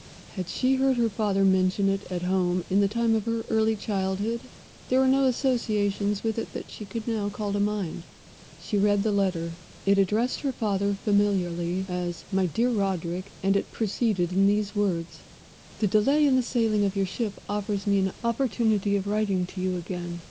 Had she heard her father mention it at home in the time of her early childhood? There were no associations with it that she could now call to mind. She read the letter. It addressed her father familiarly as "My dear Roderick," and it proceeded in these words: "The delay in the sailing of your ship offers me an opportunity of writing to you again.